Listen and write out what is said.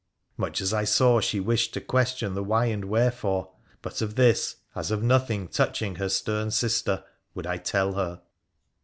Much I saw she wished to question the why and wherefore, but of this, as of nothing touching her stern sister, would I tell her.